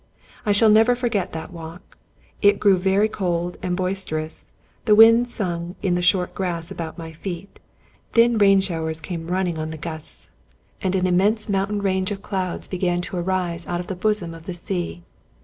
I shall never forget that walk. It grew very cold and boisterous; the wind sung in the short grass about my feet; thin rain showers came running on the gusts; and an immense i8o Robert Louis Stevenson mountain range of clouds began to arise out of the bosom of the sea.